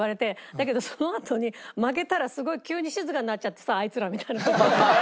だけどそのあとに負けたらすごい急に静かになっちゃってさあいつらみたいな事を。